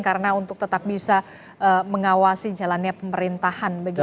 karena untuk tetap bisa mengawasi jalannya pemerintahan